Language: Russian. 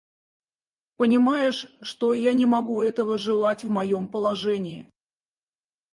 Понимаешь, что я не могу этого желать в моем положении.